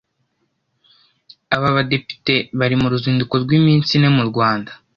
Aba badepite bari mu ruzinduko rw’iminsi ine mu Rwanda